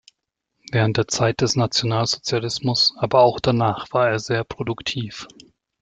Während der Zeit des Nationalsozialismus, aber auch danach, war er sehr produktiv.